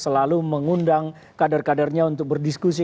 selalu mengundang kader kadernya untuk berdiskusi